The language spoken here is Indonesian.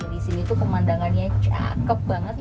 di sini tuh pemandangannya cakep banget